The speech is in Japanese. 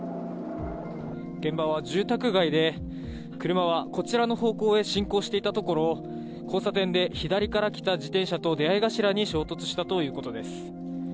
現場は住宅街で、車はこちらの方向へ進行していたところ、交差点で左から来た自転車と出合い頭に衝突したということです。